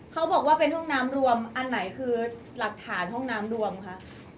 เขาบอกว่าเป็นห้องน้ำรวมอันไหนคือหลักฐานห้องน้ำรวมคะ